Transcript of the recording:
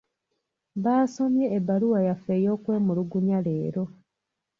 Baasomye ebbaluwa yaffe ey'okwemulugunya leero.